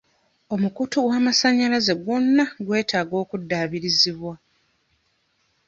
Omukutu gw'amasanyalaze gwonna gwetaaga okudaabirizibwa.